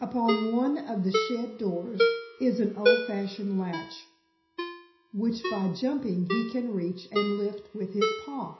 Upon one of the shed doors is an old fashioned latch, which by jumping he can reach and lift with his paw.